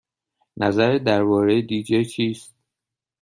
نظرت درباره دی جی چیست؟